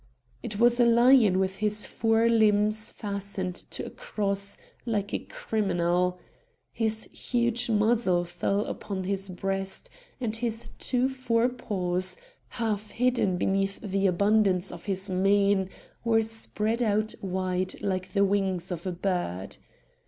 It was a lion with his four limbs fastened to a cross like a criminal. His huge muzzle fell upon his breast, and his two fore paws, half hidden beneath the abundance of his mane, were spread out wide like the wings of a bird.